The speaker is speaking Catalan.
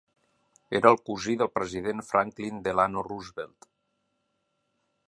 Era el cosí del president Franklin Delano Roosevelt.